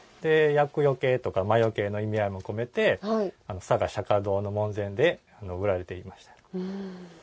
厄よけとか魔よけの意味合いも込めて嵯峨釈迦堂の門前で売られていました。